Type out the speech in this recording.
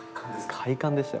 快感でしたよ